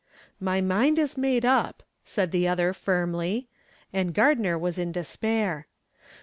"My mind is made up," said the other firmly, and Gardner was in despair.